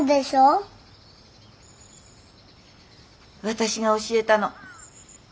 私が教えたの。